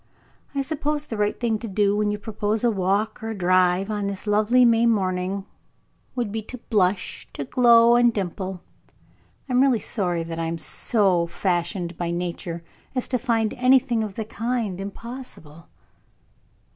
I suppose the right thing to do when you propose a walk or a drive, on this lovely May morning, would be to blush to glow and dimple. I am really sorry that I am so fashioned by nature as to find anything of the kind impossible."